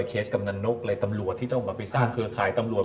เคสกำนันนกอะไรตำรวจที่ต้องไปสร้างเครือข่ายตำรวจ